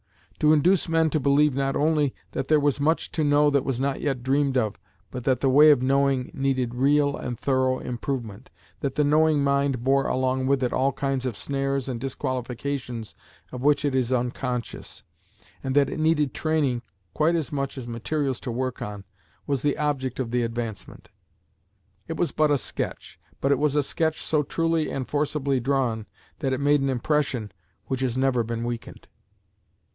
To induce men to believe not only that there was much to know that was not yet dreamed of, but that the way of knowing needed real and thorough improvement; that the knowing mind bore along with it all kinds of snares and disqualifications of which it is unconscious; and that it needed training quite as much as materials to work on, was the object of the Advancement. It was but a sketch; but it was a sketch so truly and forcibly drawn, that it made an impression which has never been weakened.